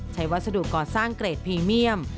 วัสดุก่อสร้างเกรดพรีเมียม